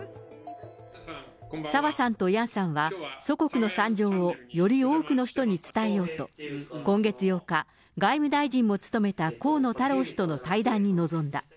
サワさんとヤンさんは、祖国の惨状をより多くの人に伝えようと、今月８日、外務大臣を務めた河野太郎氏との対談に臨んだ。